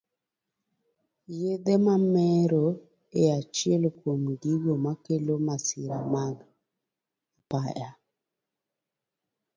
Yedhe mamero e achiel kuom gigo makelo masira mag apaya